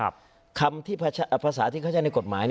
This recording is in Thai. ภาษาที่เขาใช้ในกฎหมาย